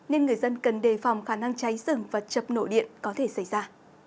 nên người dân cần đề phòng khả năng cháy rừng và chập nổ điện có thể xảy ra